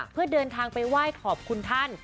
เพื่อเดินทางไปไหว้ขอบคุณท่าน